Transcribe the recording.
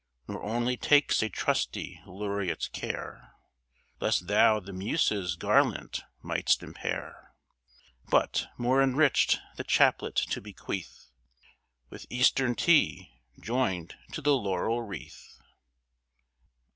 Nor only takes a Trusty Laureat's Care, Lest Thou the Muses Garland might'st impair; But, more Enrich'd, the Chaplet to Bequeath, With Eastern Tea join'd to the Laurel Wreath.